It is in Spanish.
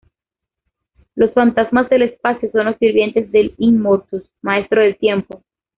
Los Fantasmas del Espacio son los sirvientes de Immortus: Maestro del Tiempo.